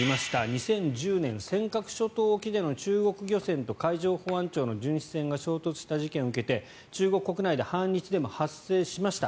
２０１０年尖閣諸島沖での中国漁船と海上保安庁の巡視船が衝突した事件を受けて中国国内で反日デモ、発生しました。